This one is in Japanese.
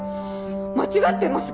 間違ってます